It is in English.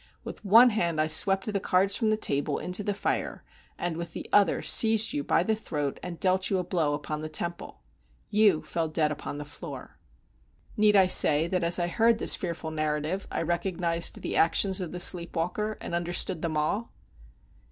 With one hand I swept the cards from the table into the fire, and with the other seized you by the throat, and dealt you a blow upon the temple. You fell dead upon the floor." Need I say that as I heard this fearful narrative, I recognized the actions of the sleep walker, and understood them all?